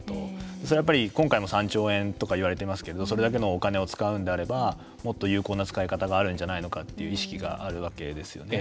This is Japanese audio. それはやっぱり今回も３兆円といわれていますがそれだけのお金を使うのであればもっと有効な使いみちがあるんじゃないのかという意識があるわけですよね。